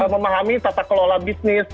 memahami tata kelola bisnis